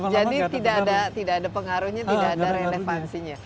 jadi tidak ada pengaruhnya tidak ada relevansinya